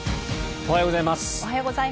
おはようございます。